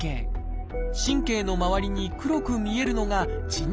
神経の周りに黒く見えるのがじん帯。